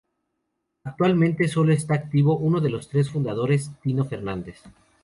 Actualmente sólo está activo uno de esos tres fundadores: Tino Fernández.